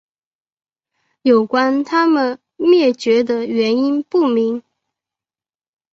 有关它们灭绝的原因不明。